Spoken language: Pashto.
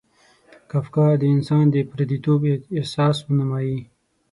کافکا د انسان د پردیتوب احساس ونمایي.